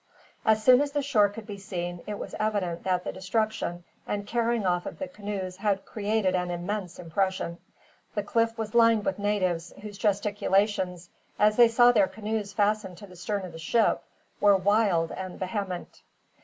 As soon as the shore could be seen, it was evident that the destruction and carrying off of the canoes had created an immense impression. The cliff was lined with natives, whose gesticulations, as they saw their canoes fastened to the stern of the ship, were wild and vehement.